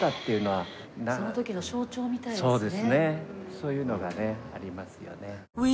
そういうのがねありますよね。